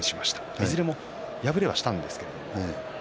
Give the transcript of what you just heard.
いずれも敗れはしたんですが。